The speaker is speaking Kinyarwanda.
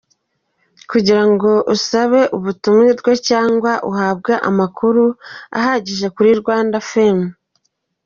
Kugira ngo usabe ubutumire cyangwa uhabwe amakuru ahagije kuri rwandafilm.